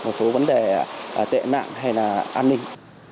một số vấn đề tệ nạn hay là an ninh